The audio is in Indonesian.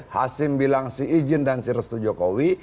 hasim bilang si izin dan si restu jokowi